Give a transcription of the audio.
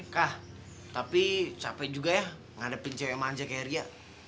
kah tapi capek juga ya ngadepin cewek manja kayak ria